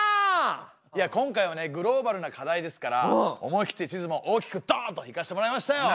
いや今回はねグローバルな課題ですから思い切って地図も大きくドンといかしてもらいましたよ。